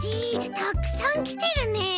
たくさんきてるね！